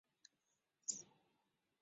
这样看来似乎有无穷多种三维点群。